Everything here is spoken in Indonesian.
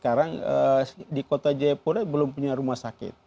sekarang dengan dibangunnya ya sekarang di kota jayapura belum punya rumah sakit